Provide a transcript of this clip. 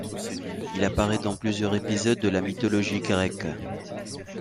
Il apparaît dans plusieurs épisodes de la mythologie grecque.